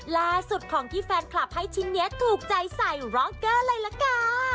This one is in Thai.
ล่าสุดของที่แฟนคลับให้ชิ้นนี้ถูกใจใส่ร็อกเกอร์เลยล่ะค่ะ